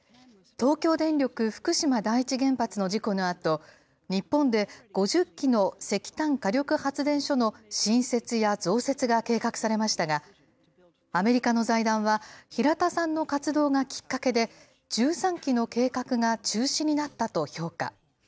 東京電力福島第一原発の事故のあと、日本で５０基の石炭火力発電所の新設や増設が計画されましたが、アメリカの財団は、平田さんの活動がきっかけで、１３基の計画が中止になったと評価。